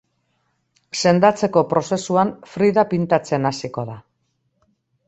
Sendatzeko prozesuan Frida pintatzen hasiko da.